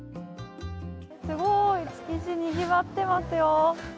すごーい、築地、にぎわってますよ。